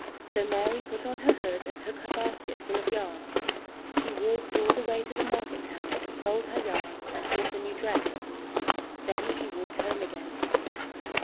So Mary put on her hood and took her basket full of yarn. She walked all the way to the market town and sold her yarn, and bought the new dress. Then she walked home again.